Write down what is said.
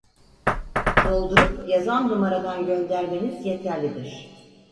Doldurup yazan numaradan göndermeniz yeterlidir